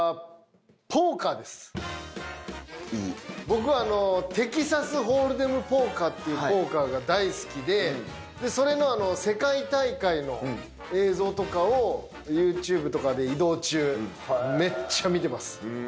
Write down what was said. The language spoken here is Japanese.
僕はテキサスホールデムポーカーっていうポーカーが大好きでそれの世界大会の映像とかをＹｏｕＴｕｂｅとかで移動中めっちゃ見てます。